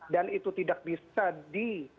dan itu tidak bisa ditangani oleh pihak pihak